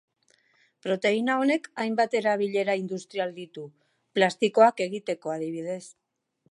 Proteina honek hainbat erabilera industrial ditu: plastikoak egiteko, adibidez.